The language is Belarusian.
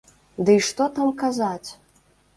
Дый што там казаць!